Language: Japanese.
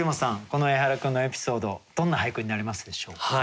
このエハラ君のエピソードどんな俳句になりますでしょうか？